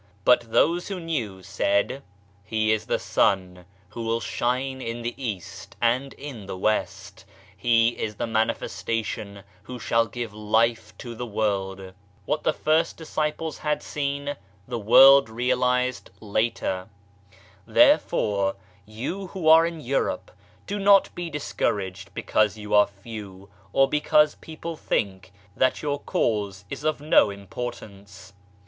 " But those who knew said :" He is the Sun who will shine in the East and in the West, He is the Manifestation who shall give Life to the World." What the first disciples had seen the World realized later. Therefore, you who are in Europe, do not be dis couraged because you are few or because people think that your Cause is of no importance.